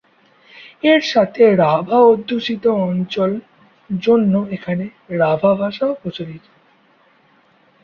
এর সাথে রাভা অধ্যুষিত অঞ্চল জন্য এখানে রাভা ভাষাও প্রচলিত।